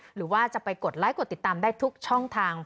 หรือว่าจะไปกดไลค์กดติดตามได้ทุกช่องทาง